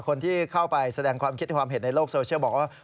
คนที่เข้าไปแสดงความคิดความเห็นในโลกโซเชียลบอกว่า